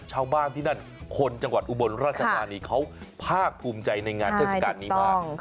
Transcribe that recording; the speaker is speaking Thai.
ชาวบ้านที่นั่นคนจังหวัดอุบลราชธานีเขาภาคภูมิใจในงานเทศกาลนี้มาก